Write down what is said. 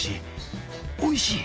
おいしい。